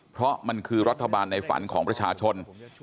เพราะมันคือรัฐบาลในฝันของประชาชน